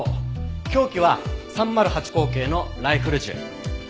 凶器は３０８口径のライフル銃。